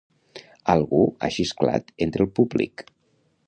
Algú ha xisclat entre el públic.